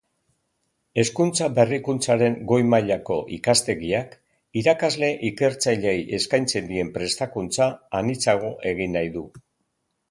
Hezkuntza Berrikuntzaren Goi Mailako Ikastegiak Irakasle-Ikertzaileei eskaintzen dien prestakuntza anitzago egin nahi du.